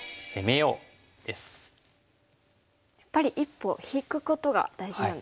やっぱり一歩引くことが大事なんですね。